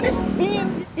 cendol manis dingin